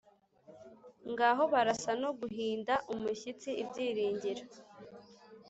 ngaho barasa no guhinda umushyitsi ibyiringiro